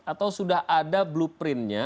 atau sudah ada blueprintnya